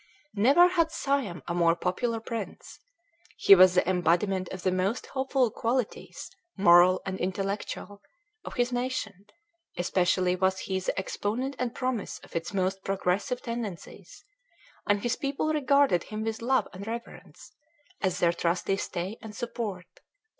Never had Siam a more popular prince. He was the embodiment of the most hopeful qualities, moral and intellectual, of his nation; especially was he the exponent and promise of its most progressive tendencies; and his people regarded him with love and reverence, as their trusty stay and support.